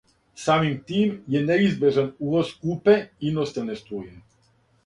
Самим тим је неизбежан увоз скупе, иностране струје.